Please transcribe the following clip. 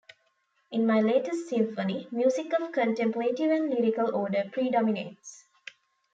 In my latest symphony, music of a contemplative and lyrical order predominates.